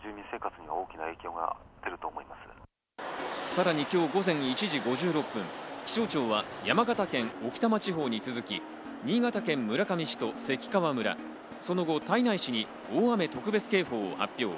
さらに今日午前１時５６分、気象庁は山形県置賜地方に続き新潟県村上市と関川村、その後、胎内市に大雨特別警報を発表。